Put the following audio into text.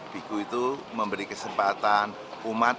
biku itu memberi kesempatan umat